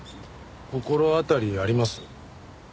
心当たりあります？